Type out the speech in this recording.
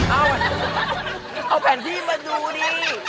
เอาแผ่นพี่มาดูดิ